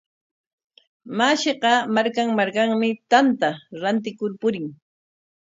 Mashiqa markan markanmi tanta rantikur purin.